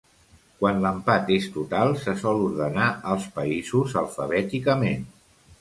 Quan l'empat és total se sol ordenar els països alfabèticament.